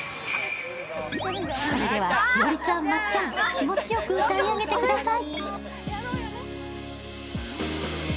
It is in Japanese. それでは栞里ちゃん、まっちゃん、気持ちよく歌い上げてください。